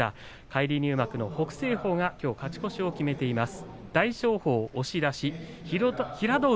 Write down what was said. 返り入幕の北青鵬が勝ち越しを決めています。